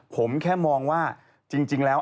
ผมแค่มองว่าจริงแล้ว